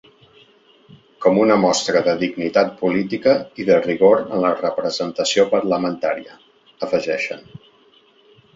“Com una mostra de dignitat política i de rigor en la representació parlamentària”, afegeixen.